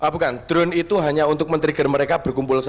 bukan drone itu hanya untuk men trigger mereka berkumpul